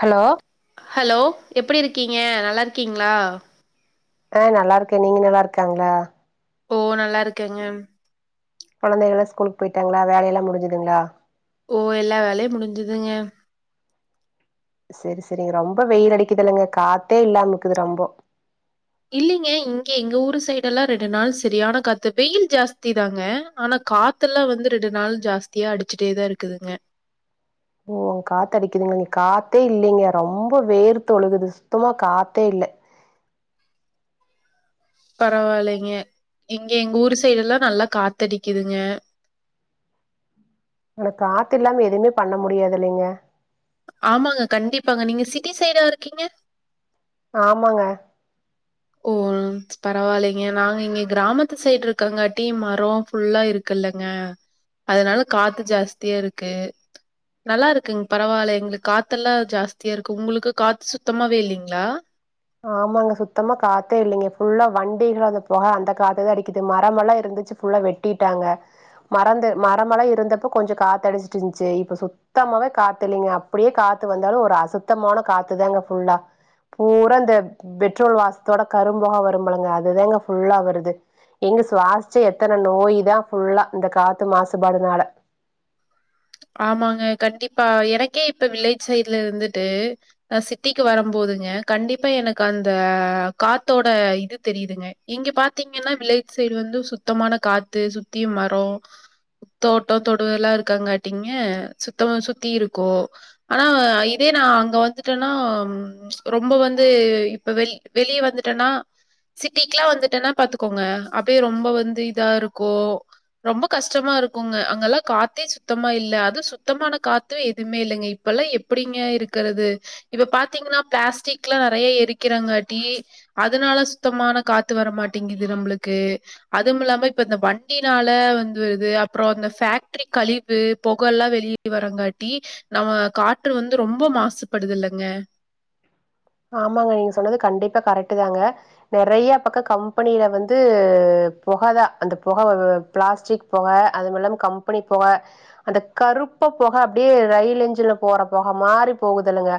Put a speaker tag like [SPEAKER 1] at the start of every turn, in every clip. [SPEAKER 1] hello
[SPEAKER 2] hello எப்படி இருக்கீங்க நல்லா இருக்கீங்களா
[SPEAKER 1] ஆ நல்லா இருக்கே நீங்க நல்லா இருக்காங்களா
[SPEAKER 2] ஓ நல்லா இருக்கேங்க
[SPEAKER 1] கொழந்தைகள்லா ஸ்கலுக்கு போயிட்டாங்களா வேலை எல்லா முடிஞ்சதுங்களா
[SPEAKER 2] ஓ எல்லா வேலையு முடிஞ்சிதுங்க
[SPEAKER 1] செரி செரிங்க ரொம்ப வெயில் அடிக்குதல்லுங்க காத்தே இல்லாமக்குது ரொம்ப
[SPEAKER 2] இல்லிங்க இங்க எங்க ஊர் சைடெல்லா ரெண்டு நாள் செரியான காத்து வெயில் ஜாஸ்தி தாங்க ஆனா காத் த்தெல்லா வந்து ரெண்டு நாள் ஜாஸ்தியா அடிச்சுட்டே தா இருக்குதுங்க
[SPEAKER 1] ஓ காத்து அடிக்குதுங்க இங்க காத்தே இல்லிங்க ரொம்ப வேர்த்தொழுகுது சுத்தமா காத்தே இல்ல
[SPEAKER 2] பரவாயில்லிங்க எங்க எங்க ஊர் சைடு எல்லா நல்லா காத்தடிக்குதுங்க
[SPEAKER 1] அந்த காத்து இல்லாம எதுவுமே பண்ண முடியாது இல்லிங்க
[SPEAKER 2] ஆமாங்க கண்டிப்பாங்க நீங்க சிட்டி சைடா இருக்கீங்க
[SPEAKER 1] ஆமாங்க
[SPEAKER 2] பரவாயில்லிங்க நாங்க இங்க கிராமத்து சைடு இருக்கோங்காட்டி மரோ ஃபுல்லா இருக்குல்லங்க அதனால காத்து ஜாஸ்தியா இருக்கு நல்லா இருக்குங் பரவாயில்ல எங்களுக்கு காத்தெல்லா ஜாஸ்தியா இருக்கு உங்களுக்கு காத்து சுத்தமாவே இல்லிங்ளா
[SPEAKER 1] ஆமாங்க சுத்தமா காத்தே இல்லிங்க ஃபுல்லா வண்டிக வந்த போக அந்த காத்ததா அடிக்குது மரம் எல்லா இருந்துச்சு புல்லா வெட்டி வெட்டிட்டாங்க மறந்து மரமெல்லா இருந்தப்ப கொஞ்சோ காத்தடிச்சிட்டு இருந்துச்சு இப்ப சுத்த சுத்தமாவே காத்து இல்லிங்க அப்படியே காத்து வந்தாலு ஒரு அசுத்தமான காத்து தாங்க ஃபுல்லா பூரா இந்த பெட்ரோல் வாசத்தோட கரும்பொக வருமல்லங்க அதுதாங்க ஃபுல்லா வருது எங்க சுவாச்ச எத்தன நோயி தா ஃபுல்லா இந்த காத்து மாசுபாடுனால
[SPEAKER 2] ஆமாங்க கண்டிப்பா எனக்கே இப்ப வில்லேஜ் சைட்ல இருந்துட்டு ஆ சிட்டிக்கு வரம் போதுங்க கண்டிப்பா எனக்கு அந்த காத்தோட இது தெரியுதுங்க இங்க பாத்தீங்கன்னா வில்லேஜ் சைடு வந்து சுத்தமான காத்து சுத்தியு மரோ தோட்டோ தொடு எல்லா இருக்கங் காட்டீங்க சுத்தம்மா சுத்தி இருக்கு ஆனா இதே நா அங்க வந்திட்டேன்னா ரொம்ப வந்து இப்ப வெளி வெளியே வந்திட்டேன்னா சிட்டிக்கெல்லா வந்திட்டேன்னா பாத்துக்கோங்க அப்டியே ரொம்ப வந்து இதா இருக்கோ ரொம்ப கஷ்டமா இருக்குங்க அங்கெல்லா காத்தே சு சுத்தமா இல்ல அது சுத்தமான காத்து எதுவுமே இல்லங்க இப்பெல்லா எப்படிங்க இருக்கிறது இப்ப பாத்தீங்கன்னா பிளாஸ்டிக்ல்லா நெறையா எரிக்கிறாங்காட்டி அதுனால சுத்தமான காத்து வரமாட்டேங்குது நம்மளுக்கு அதும் இல்லாம இப்ப இந்த வண்டினால வந்து வருது அப்றோ அந்த ஃபேக்டரி கழி வு பொக எல்லா வெளியே வரங்காட்டி நம்ம காற்று வந்து ரொம்ப மாசுபடுது இல்லங்க
[SPEAKER 1] ஆமாங்க நீங்க சொன்னது கண்டிப்பா கரெக்ட்டு தாங்க நெறையா பக்க கம்பெனில வந்து பொக தா அந்த பொக பிளாஸ்டிக் பொக அதும் இல்லாம கம்பெனி பொக அந்த கருப்பா பொக அப்டியே ரயில் எஞ்சின்ல போற பொக மாறி போகுதுல்லங்க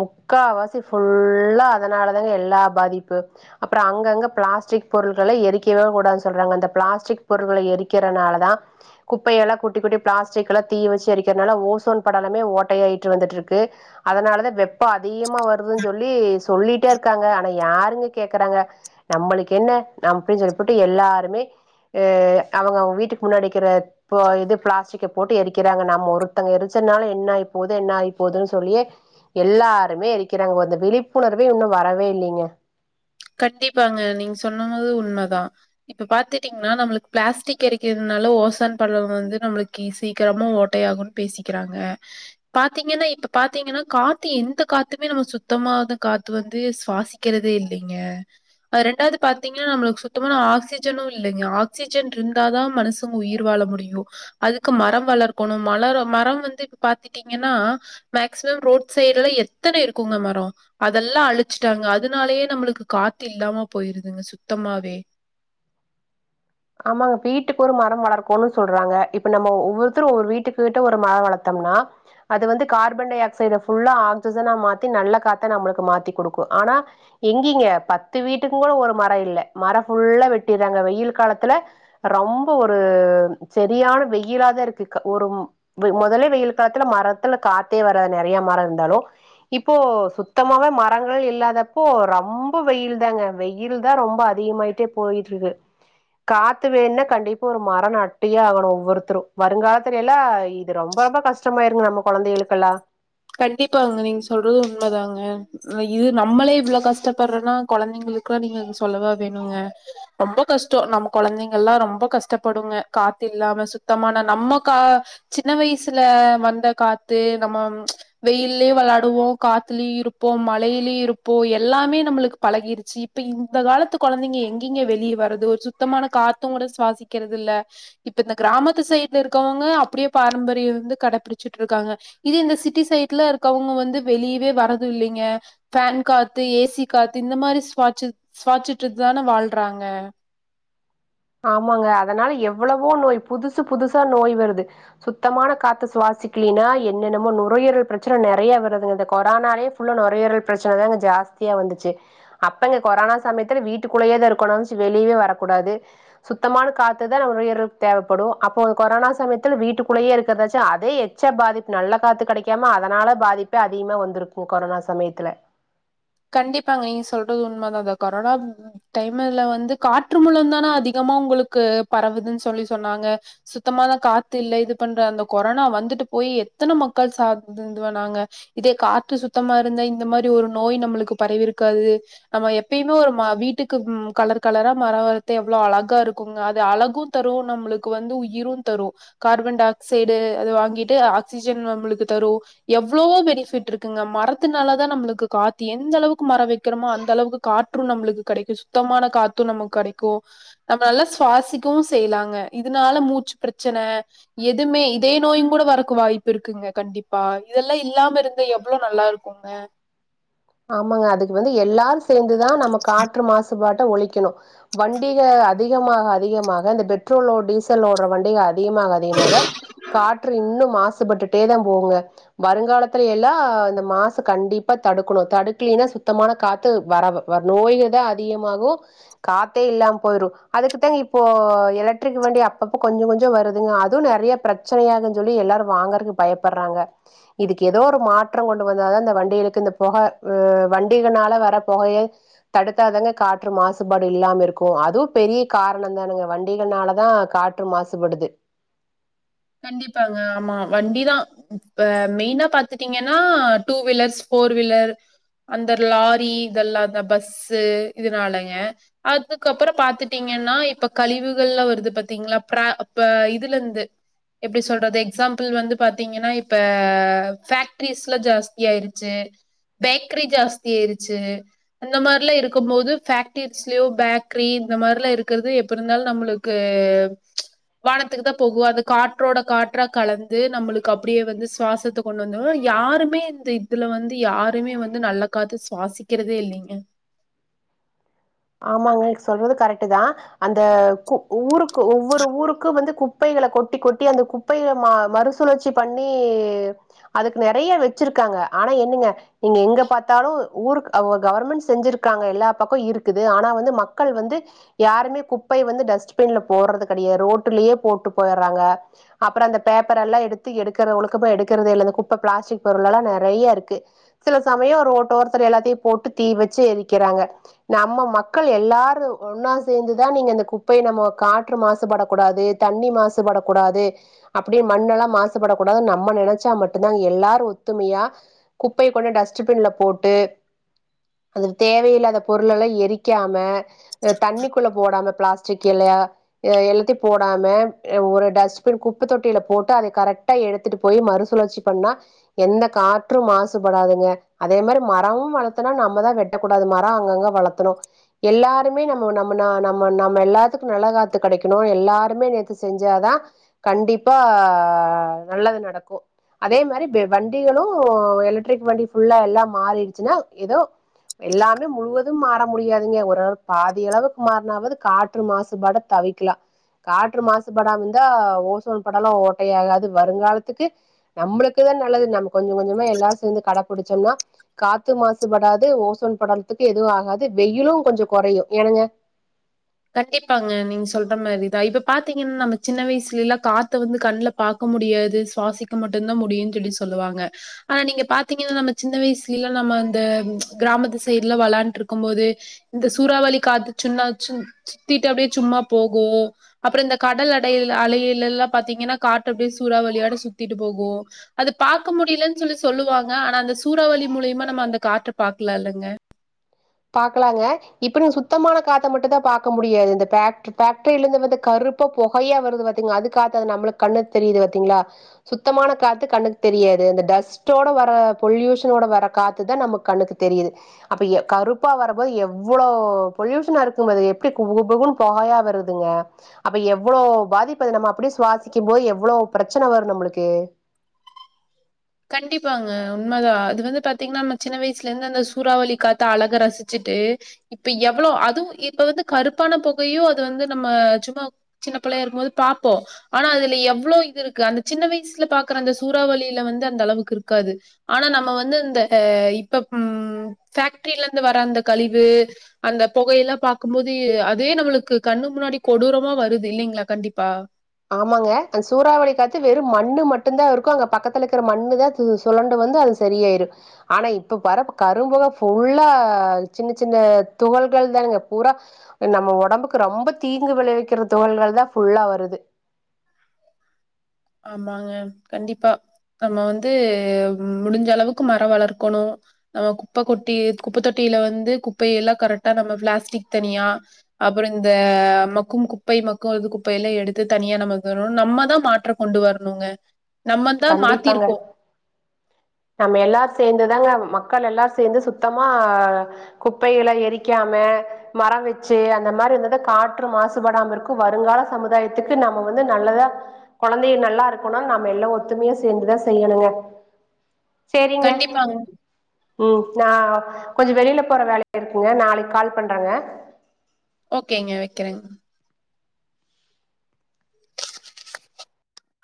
[SPEAKER 1] முக்காவாசி ஃபுல்லா அதனால தாங்க எல்லா பாதிப்பு அப்றோ அங்கங்க பிளாஸ்டிக் பொருட்கள எரிக்கவே கூடாதுன்னு சொல்றாங்க அந்த பிளாஸ்டிக் பொருட்கள எரிக்கிறனால தா குப்பையெல்லா கொட்டி கொட்டி பிளாஸ்டிக் எல்லா தீய வெச்சு எரிக்கிறனால ஓசோன் படலமே ஓட்டையாயிட்டு வந்துட்டு இருக்கு அதுனாலதா வெப்போ அதிகமா வருது சொல்லி சொல்லிட்டே இருக்காங்க ஆனா யாருங்க கேக்குறாங்க நம்மளுக்கு என்ன நம் அப்படின்னு சொல்லி போட்டு எல்லாருமே அ அவுங்க அவுங்க வீட்டுக்கு முன்னாடி இக்கிற இப்போ இது பிளாஸ்டிக்க போட்டு எரிக்கிறாங்க நம்ம ஒருத்தங்க எரிச்சனால என்ன ஆயி போது என்ன ஆயி போதுன்னு சொல்லியே எல்லாருமே எருக்கிறாங் அந்த விழிப்புணர்வே இன்னு வரவே இல்லைங்க
[SPEAKER 2] கண்டிப்பாங்க நீங்க சொன்னு போது உண்மைதா இப்ப பாத்துட்டீங்கன்னா நம்மளுக்கு பிளாஸ்டிக் எரிக்கிறதுனால ஓசன் படலோ வந்து நம்மளுக்கு சீக்கிரமா ஓட்டைய ஆகு பேசிக்கிறாங்க பாத்தீங்கன்னா இப்ப பாத்தீங்கன்னா காத்து எந்த காத்துமே நம்ம சுத்தம காத்து வந்து சுவாசிக்கிறதே இல்ல நீங்க ரெண்டாவது பாத்தீங்கன்னா நம்மளுக்கு சுத்தமான ஆக்சிஜனு இல்லங்க ஆக்சிஜன் இருந்த தா மனசு உயிர் வாழ முடியு அதுக்கு மரம் வளர்க்கணு மல மரோ வந்து இப்ப பாத்துட்டீங்கன்னா மேக்சிமம் ரோட் சைடு எல்லா எத்தன இருக்குங்க மரோ அதெல்லா அழிச்சுட்டாங்க அதனாலயே நம்மளுக்கு காத்து இல்லாம போயிருதுங்க சுத்தமாவே
[SPEAKER 1] ஆமாங்க வீட்டுக்கு ஒரு மரோ வளர்க்கோம்னு சொல்றாங்க இப்ப நம்ம ஒவ்வொருத்தரு ஒவ்வொரு வீட்டுக்கிட்ட ஒரு மரோ வளர்த்தோம்னா அது வந்து கார்பன் டை ஆக்சைட ஃபுல்லா ஆக்சிஜனா மாத்தி நல்ல காத்த நம்மளுக்கு மாத்தி குடுக்கு ஆனா எங்கீங்க பத்து வீட்டுங்கூட ஒரு மரோ இல்ல மரோ ஃபுல்லா வெட்டிறாங்க வெயில் காலத் த்துல ரொம்ப ஒரு செரியான வெயிலாதா இருக்கு ஒரு மொதல்லே வெயில் காத்துல மரத்துல காத்தே வராது நெறையா மரோ இருந்தாலு இப்போ சுத்தமாவே மரங்கள் இல்லாத அப்போ ரொம்ப வெயில் தாங்க வெயில் தா ரொம்ப அதிகமாயிட் அப்டியே போயிட்டு இருக்கு காத்து வேணுனா கண்டிப்பா ஒரு மரோ நட்டியே ஆகணு ஒவ்வொருத்தரு வருங்காலத்துல எல்லா இது ரொம்ப ரொம்ப கஷ்டோ கஷ்டமாயிருங்க நம்ம கொழந்தைகளுக்கு எல்லா
[SPEAKER 2] கண்டிப்பாங்க நீங்க சொல்றது உண்மைதாங்க இது நம்மளே இவ்வளோ கஷ்டப்படுறன்னா கொழந்தைங்களுக்கு எல்லா நீங்க சொல்லவா வேணுங்க ரொம்ப கஷ்டோ நம்ம கொழந்தைங்க எல்லா ரொம்ப கஷ்டப்படுங்க காத்து இல்லாம சுத்தமான நம்ம கா சின்ன வயசுல வந்த காத்து நம்ம வெயிலயு வெளயாடுவோ காத்துலயு இருப்போ மழையிலயு இருப்போ எல்லாமே நம்மளுக்கு பழகிருச்சு இப்ப இந்த காலத்து கொழந்தைங்க எங்கீங்க வெளிய வரது ஒரு சுத்தமான காத்து கூட சுவாசிக்கிறது இல்ல இப்ப இந்த கிராமத்து சைட்ல இருக்கவங்க அப்படியே பாரம்பரிய வந்து கடைப்பிடிச்சிட்டு இருக்காங்க இது இந்த சிட்டி சைட்ல இருக்கவங்க வந்து வெளியவே வரது இல்லைங்க ஃபேன் காத்து ஏசி காத்து இந்த மாரி சுவாட்சு சுவாட்சிட்டு தான வாழ்றாங்க
[SPEAKER 1] ஆமாங்க அதுனால எவ்வளவோ நோய் புதுசு புதுசா நோய் வருது சுத்தமான காத்த சுவாசிக்கலினா என்னென்னமோ நுரையீரல் பிரச்சன நெறையா வருதுங்க இந்த கொரோனாலே நுரையீரல் பிரச்சன தான்ங்க ஜாஸ்தியா வந்துச்சு அப்பங்க கொரோனா சமயத்துல வீட்டுக்குள்ளயே தா இருக்கணுச்சு வெளியே வரக்கூடாது சுத்தமான காத்துதா நம்ம உயிர்க்கு தேவைப்படு அப்போ கொரோனா சமயத்தில வீட்டுக்குள்ளயே இருகறதாச்சு அதே ச்சா பாதிப்பு நல்ல காத்து கிடைக்காம அதுனால பாதிப்பே அதிகமா வந்திருக்கு கொரோனா சமயத்துல
[SPEAKER 2] கண்டிப்பாங்க நீங்க சொல்றது உண்மை தா அத கொரனா டைம்ல வந்து காற்று மூல தான அதிகமா உங்களுக்கு பரவுதுன்னு சொல்லி சொன்னாங்க சுத்தமான காத்து இல்ல இது பண்ற அந்த கொரனா வந்துட்டு போய் எத்தன மக்கள் சாத்து இதுவானாங்க இதே காற்று சுத்தமா இருந்தா இந்த மாதிரி ஒரு நோய் நம்மளுக்கு பரவிருக்காது நம்ம எப்பயுமே ஒரு வீட்டுக்கு கலர் கலரா மரோ வளத்தி எவ்வளோ அழகா இருக்குங்க அது அழகு தரும் நம்மளுக்கு வந்து உயிரு தரு கார்பன் டை ஆக்சைடு அது வாங்கிட்டு ஆக்சிஜன் நம்புளுக்கு தரு எவ்வளவோ பெனிஃபிட் இருக்குங்க மரத்துனால தா நம்மளுக்கு கா த்து எந்தளவுக்கு மரோ வெக்குறமோ அந்தளவுக்கு காற்று நம்ப்ளுக்கு கெடைக்கு சுத்தமான காத்து நமக் கடைக்கு நம்ம நல்லா சுவாசிக்கவு செய்லாங்க இதனால மூச்சு ப்ரெச்சன எதுமே இதய நோயுங்கூட வறக்கு வாய்ப்பு இருக்குங்க கண்டிப்பா இதெல்லா இல்லாம ருந்தா எவ்ளோ நல்லாரு க்குங்க
[SPEAKER 1] ஆமாங்க அதுக்கு வந்து எல்லாரு சேந்துதா நம்ம காற்று மாசுபாட்ட ஒழிக்கணு வண்டிக அதிகமாக அதிகமாக இந்த பெட்ரோலோ டீசலோட்ற வண்டிக அதிகமாக அதிகமாக காற்று இன்னு மாசுபட்டுட்டேதா போகுங்க வருங்காலத்துல் எல்லா இந்த மாசு கண்டிப்பா தடுக்கணு தடுக்கலீனா சுத்தமான காத்து வரவ நோய்கதா அதிகமாகு காத்தே இல்லாம் போயிரு அதுக்குதாங்க இப்போ எலக்ட்ரிக் வண்டி அப்பப்போ கொஞ்சோ கொஞ்சோ வருதுங்க அதுவு நெறைய ப்ரெச்சனய ஆகுங் சொல்லி எல்லாரு வாங்கறக்கு பயப்பற்றாங்க இதுக்கு எதோ ஒரு மாற்றோ கொண்டு வந்தாதா இந்த வண்டிகளுக்கு இந்த பொக அ வண்டிகனால வர பொகய தடுத்தாதாங்க காற்று மாசுபாடு இல்லாம இருக்கு அதுவு பெரிய காரணந்தானங்க வண்டிகனாலதா கா ற்று மாசுபடுது
[SPEAKER 2] கண்டிப்பாங்க ஆமா வண்டிதா இப்ப மெயினா பாத்துட்டீங்கன்னா டூ வீலர்ஸ் ஃபோர் வீலர் அந்த லாரி இதெல்லாதா பஸ்ஸு இதனாலெங்க அதுக்கப்புறோ பாத்துட்டீங்கன்னா இப்ப கழிவுகள்லா வருது பாத்தீங்களா ப்ரா அப்ப இதுலெந்து எப்டி சொல்றது எக்ஸாம்பிள் வந்து பாத்தீங்கன்னா இப்ப ஃபேக்ட்ரீஸ்ல்லா ஜாஸ்தி ஆயிருச்சு பேக்ரி ஜாஸ்தி ஆயிருச்சு அந்த மாரிலா இருக்கும்மோது ஃபேக்டரிஸ்லியோ பேக்ரி இந்த மாரிலா இருக்கிறது எப்பிருந்தாலு நம்மளுக் கு வானத்துக்குதா போகு அது கா ற்றோட காற்றா கலந்து நம்மளுக்கு அப்படியே வந்து சுவாசத்த கொண்ட் வந்துரு யாருமே இந்த இதுல வந்து யாருமே வந்து நல்ல காத்து சுவாசிக்கிறதே இல்லிங்க
[SPEAKER 1] ஆமாங்க சொல்றது கரெக்ட்டுதா அந்த கு ஊருக்கு ஒவ்வொரு ஊருக்கு வந்து குப்பைகள கொட்டி கொட்டி அந்த கு ப்பைக ம மறுசுழற்சி பண்ணி அதுக்கு நெறயா வெச்சிருக்காங்க ஆனா என்னங்க நீங்க எங்க பாத்தாலு ஊருக்கு அவ கவர்மெண்ட் செஞ்சிருக்காங்க எல்லா பக்கோ இரு க்குது ஆனா வந்து மக்கள் வந்து யாருமே குப்பய வந்து டஸ்ட்பின்ல போடுறது கெடயா ரோட்டுலியே போட்டு போயற்றாங்க அப்பற அந்த பேப்பர் எல்லா எடுத்து எடுக்கிற ஒழுக்கமா எடுக்கறதே இல்ல இந்த குப்ப பிளாஸ்டிக் பொருளெல்லா நெறைய இருக்கு சில சமயோ ஒ ரோட்டோரத்துல எல்லாத்தியு போட்டு தீ வெச்சு எரிக்கிறாங்க நம்ம மக்கள் எல்லாரு ஒன்னா சேந்துதா நீங்க இந்த குப்பைய நம்மோ காற்று மாசுபடக்கூடாது தண்ணி மாசுபடக்கூடாது அப்படி மண்ணெல்லா மாசுபடக்கூடாது நம்ம நெனச்சா மட்டுந்தா எல்லாரு ஒத்துமியா குப்பய கொண்டு டஸ்ட்டுபின்ல போட்டு அது தேவையில்லாத பொருளெல்லா எரிக்காம அ தண்ணிக்குள்ள போடாம ப்ளாஸ்டிக் இல்லையா எ எல்லாத்தி போடாம ஒரு டஸ்ட்பின் குப்ப தொட்டியில போட்டு அதை கரெக் டா எடுத்துட்டு போயி மறுசுழற்சி பண்ணா எந்த காற்று மாசுபடாதுங்க அதே மாரி மரமு வளத்தனா நம்மதா வெட்டக்கூடாது மரோ அங்கங்க வளத்தணு எல்லாருமே நம்ம நம்ம ந நம்ம நம்ம எல்லாத்துக்கு நல்ல காத்து கெடைக்கணு எல்லாருமே நேத்து செஞ்சாதா கண்டிப்பா நல்லது நடக்கு அதே மாரி வண்டிகளு எலெக்ட்ரிக் வண்டி ஃபுல்லா எல்லா மாறிடுச்சுன்னா ஏதோ எல்லாமே முழுவதும் மாற முடியாதுங்க ஒரளவு பாதி அளவுக்கு மாறனாவாது காற்று மாசுபாடு தவிக்லா காற்று மாசுபடாம இருந்தா ஓசோன் படலம் ஓட்டையாகாது வருங்காலத்துக்கு நம்மளுக்குதா நல்லது நம் கொஞ்சோ கொஞ்சோமா எல்லாரு சேந்து கடபுடிச்சம்னா காத்து மாசுபடாது ஓசோன் படலோ இப்போதைக்கு எதுவு ஆகாது வெயிலு கொஞ்சோ கொறையு ஏனுங்க
[SPEAKER 2] கண்டிப்பாங்க நீங்க சொல்ற மாரிதா பாத்திங்கன்னா நம்ம சின்ன வயசுல எல்லா காத்த வந்து கண்ல பாக்க முடியாது சுவாசிக்க மட்டுதா முடியுன்னு சொல்லி சொல்லுவாங்க ஆனா நீங்க பாத்திங்கன்னா நம்ம சின்ன வயசுலல்லா நம்ம இந்த கிராமத்து சைட்ல்லா வெளாண்டுட்டுருக்குபோது இந்த சூறாவளி காத்து சுன்னா சும் சுத்திட்டு அப்டியே சும்மா போகு அப்புறோ இந்த கடல் அடை அலையில எல்லா பாத்திங்கன்னா காற்று அப்டியே சூறாவ வழியாட்டோ சுத்திட்டு போகு அது பாக்க முடிலன்னு சொல்லி சொல்லுவாங்க ஆனா அந்த சூறாவளி மூலியமா நம்ம அந்த காற்ற பாக்ல இல்லங்க
[SPEAKER 1] பாக்லாங்க இப்ப நீ சுத்தமான காத்த மட்டுதா பாக்கா முடியாது இந்த பேக் பேக்ட்ரிலந்து வந்து கரு இப்ப புகையா வருது பாத்தீங் அதுகாத்து அது நம்மளுக்கு கண்ணு தெரியுது பாத்திங்ளா சுத்தமான காத்து கண்ணுக்கு தெரியாது அந்த டஸ்ட் டஸ்டோட வர பொல்யூஷனோட வர காத்துதா நமக்கு கண்ணுக்கு தெரியுது அப்ப கருப் பா வரபோது எவ்ளோ பொல்யூஷனா இருக்குமது எப்டிகுபுகுபுன்னு பொகையா வருதுங்க அப்ப எவ்ளோ பாதிப்பது நம்ம அப்டியே சுவாசிக்கு போது எவ்வளோ பிரச்சன வரு நம்ளுக்கு
[SPEAKER 2] கண்டிப்பாங்க உண்மதா அது வந்து பாத்திங்ன்னா நம்ம சின்ன வயசுலருந்து அந்த சூறாவளி காத்த அழக ரசிச்சுட்டு இப்ப எவ்வளோ அதுவு இப்ப வந்து கருப்பான புகையு அது வந்து நம்ம சும்மா சின்ன பிள்ளையா இருக்கு போது பாப்போ ஆனா அதுல எவ்ளோ இது இருக்கு அந்த சின்ன வயசுல பாக்குற அந்த சூறாவளியில வந்து அந்த அளவுக்கு இருக்காது ஆனா நம்ம வந்து இந்த இப்ப ம் பேக்ட்ரிலருந்து வர அந்த கழிவு அந்த புகையெல்லா பாக்கும்போது அதே நம்மளுக்கு கண்ணு முன்னாடி கொடூரமா வருது இல்லிங்ளா கண்டிப்பா
[SPEAKER 1] ஆமாங்க அந்த சூறாவளி காத்து வெறு மண்ணு மட்டுதாருக்கு அங்க பக்கத்துல இருக்க மண்ணுதா சொலண்டு வந்து அது சரியயாயிரு ஆனா இப்ப வர கரும்புக ஃபுல்லா சின்ன சின்ன துகள்கள் தாங்க பூரா நம்ம ஒடம்புக்கு ரொம்ப தீங்கு விளைவிக்கிற துகள்கள்தா ஃபுல்லா வருது
[SPEAKER 2] ஆமாங்க கண்டிப்பா நம்ம வந்து முடிஞ்ச அளவுக்கு மரோ வளக்கணு நம்ம குப்ப கொட்டி குப்ப தொட்டியில வந்து குப்பைய எல்லா கரெக்டா நம்ம பிளாஸ்டிக் தனியா அப்றோ இந்த மக்கும் குப்பை மக்ககாது குப்பையெல்லா எடுத்து தனியா நமக்குணு நம்மதா மாற்றோ கொண்டு வரணுங்க நம்ம தா
[SPEAKER 1] கண்டிப்பாங்க
[SPEAKER 2] மாத்திருக்கோ
[SPEAKER 1] நம்ம எல்லாரு சேந்துதாங்க மக்கள் எல்லாரு சேந்து சுத்தமா குப்பைகள எரிக்காம மர வச்சு அந்த மாரி இருந்தாத காற்று மாசுபடாமருக்கு வருங்கால சமுதாயத்துக்கு நம்ம வந்து நல்லதா கொழந்தைக நல்லாருக்குனுனா நாம எல்லா ஒத்துமையா சேந்துதா செய்யணுங்க சேரிங்க
[SPEAKER 2] கண்டிப்பாங்க
[SPEAKER 1] ம் நா கொஞ்சோ வெளில போற வேல இருக்குங்க நாளைக்கு கால் பண்றேங்க
[SPEAKER 2] ஓகேங்க வக்கிறே